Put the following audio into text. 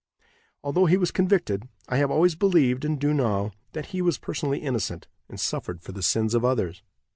Although he was convicted, I have always believed, and do now, that he was personally innocent, and suffered for the sins of others.